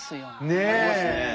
ねえ！ありますねえ。